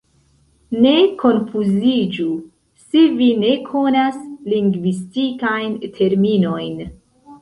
Ne konfuziĝu, se vi ne konas lingvistikajn terminojn.